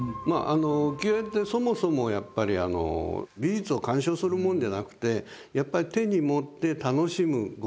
浮世絵ってそもそもやっぱり美術を鑑賞するもんじゃなくてやっぱり手に持って楽しむ娯楽だったんですよね。